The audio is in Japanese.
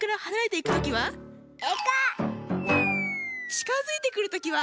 ちかづいてくるときは。